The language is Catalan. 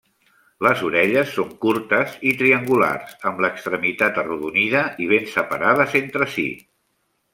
Les orelles són curtes i triangulars, amb l'extremitat arrodonida i ben separades entre si.